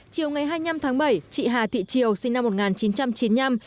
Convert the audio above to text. chiều ngày hai mươi năm tháng bảy chị hà thị triều sinh năm một nghìn chín trăm chín mươi năm